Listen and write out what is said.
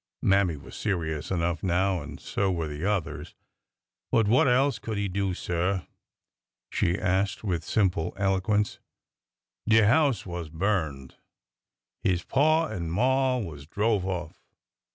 Mammy was serious enough now, and so were the others. But what else could he do, sir ?" she asked with simple eloquence. De house was burned. His paw an' maw was drove off.